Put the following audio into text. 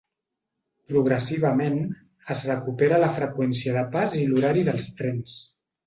Progressivament es recupera la freqüència de pas i l’horari dels trens.